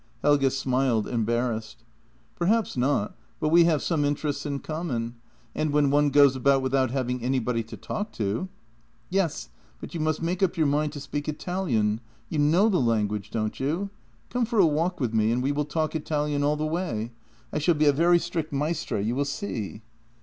" Helge smiled, embarrassed. " Perhaps not, but we have some interests in common, and when one goes about without having anybody to talk to. ..."" Yes, but you must make up your mind to speak Italian; you know the language, don't you? Come for a walk with me and we will talk Italian all the way. I shall be a very strict maestra, you will see."